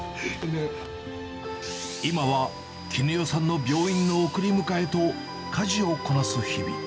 今は絹代さんの病院の送り迎えと家事をこなす日々。